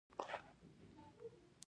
د کنجد غوړي د هډوکو لپاره وکاروئ